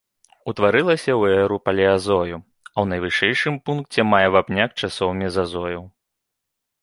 Утварылася ў эру палеазою, а ў найвышэйшым пункце мае вапняк часоў мезазою.